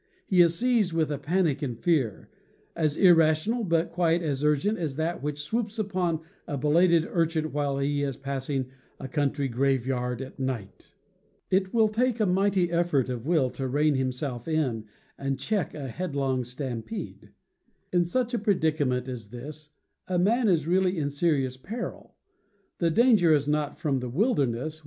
He is seized with a panic of fear, as irrational but quite as urgent as that which swoops upon a belated urchin while he is passing a country 207 208 CAMPING AND WOODCRAFT graveyard at night. It will take a mighty effort of will to rein himself in and check a headlong stampede. In such predicament as this, a man is really in seri ous peril. The danger is not from the wilderness, .